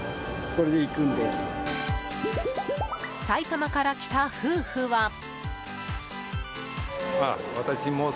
埼玉から来た夫婦は。